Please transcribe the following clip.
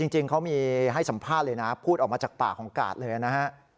จริงเขามีให้สัมภาษณ์เลยนะพูดออกมาจากปากของกาดเลยนะฮะ